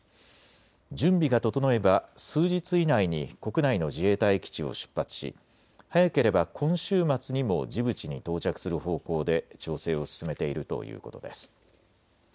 準備が整えば数日以内に国内の自衛隊基地を出発し早ければ今週末にもジブチに到着する方向で調整を進めているということです。